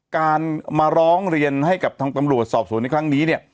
การมาร้องเรียนให้กับทางตำรวจสอบสวนในครั้งนี้เนี่ย